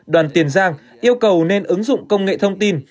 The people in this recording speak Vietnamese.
đoàn tiền giang yêu cầu nên ứng dụng công nghệ thông tin